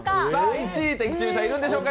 １位的中者、いるんでしょうか。